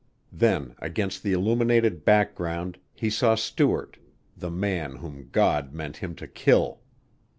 Then, against the illuminated background he saw Stuart, the man whom God meant him to kill.